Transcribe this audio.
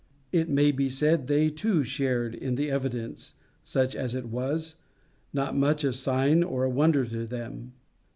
It may be said they too shared in the evidence such as it was not much of a sign or wonder to them.